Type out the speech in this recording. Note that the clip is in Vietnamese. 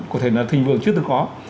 có thể là tình vương trước từ có